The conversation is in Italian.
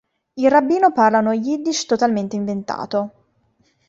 Il rabbino parla uno yiddish totalmente inventato.